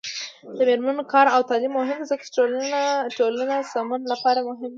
د میرمنو کار او تعلیم مهم دی ځکه چې ټولنې سمون لپاره مهم دی.